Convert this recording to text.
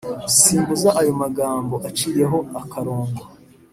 simbuza aya magambo aciyeho akarongo